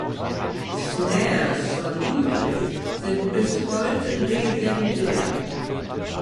Snares von Ludwig sind bis heute legendär.